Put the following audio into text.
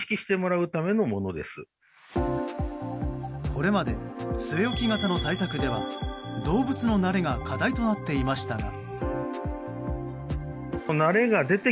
これまで据え置き型の対策では動物の慣れが課題となっていましたが。